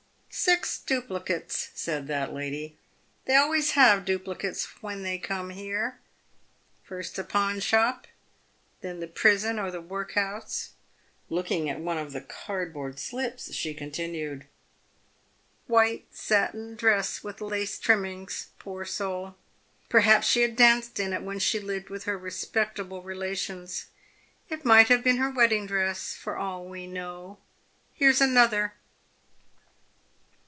u Six duplicates," said that lady. " They always have duplicates when they come here. First the pawn shop, then the prison or the workhouse." Looking at one of the card board slips, she continued :"' White satin dress, with lace trimmings.' Poor soul ! Perhaps she had danced in it when she lived with her respectable relations. It might have been her wedding dress, for all we know. Here's another.